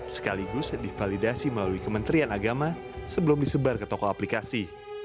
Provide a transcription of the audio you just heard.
sekaligus divalidasi melalui kementerian agama sebelum disebar ke toko aplikasi